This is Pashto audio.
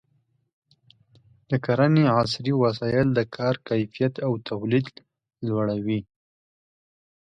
د کرنې عصري وسایل د کار کیفیت او تولید لوړوي.